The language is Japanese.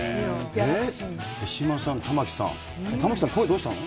手嶋さん、玉城さん、玉城さん、声どうしたの？